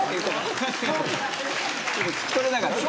ちょっと聞き取れなかったです。